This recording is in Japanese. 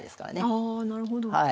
あなるほど。